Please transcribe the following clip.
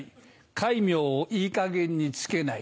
戒名をいいかげんに付けない。